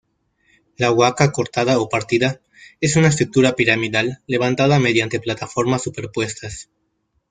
La Huaca Cortada o Partida es una estructura piramidal levantada mediante plataformas superpuestas.